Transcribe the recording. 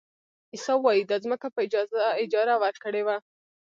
عیسی وایي دا ځمکه په اجاره ورکړې وه.